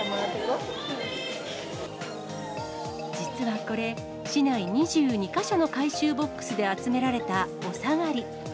実はこれ、市内２２か所の回収ボックスで集められたお下がり。